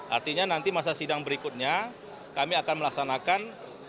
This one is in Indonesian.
artinya nanti masa sidang berikutnya kami akan melaksanakan